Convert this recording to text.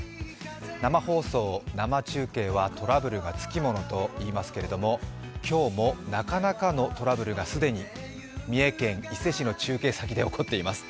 生放送、生中継はトラブルがつきものと言いますけれども今日もなかなかのトラブルが既に三重県伊勢市の中継先で起こっています。